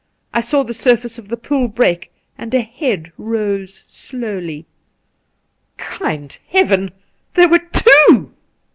I saw the surface of the pool break, and a head rose slowly. Kind Heaven! there were two!